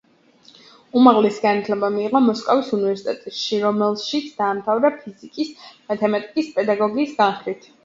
უმაღლესი განათლება მიიღო მოსკოვის უნივერსიტეტში, რომელიც დაამთავრა ფიზიკა-მათემატიკის პედაგოგის განხრით.